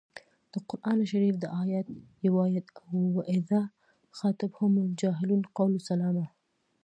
د قران شریف دا ایت یې ووايه و اذا خاطبهم الجاهلون قالو سلاما.